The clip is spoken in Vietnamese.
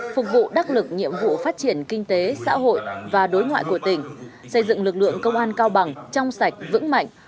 phục vụ đắc lực nhiệm vụ phát triển kinh tế xã hội và đối ngoại của tỉnh xây dựng lực lượng công an cao bằng trong sạch vững mạnh